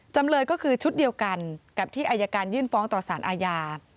จำเลยก็คือชุดเดียวกันกับที่อายการยื่นฟ้องต่อสารอาญา